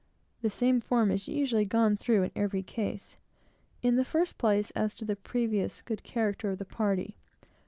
The same form is usually gone through in every case. In the first place, as to the previous good character of the party.